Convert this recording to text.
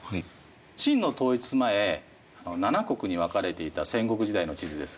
秦の統一前７国に分かれていた戦国時代の地図です。